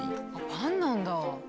パンなんだ！